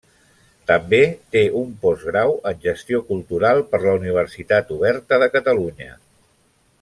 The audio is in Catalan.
També té un postgrau en Gestió Cultural per la Universitat Oberta de Catalunya.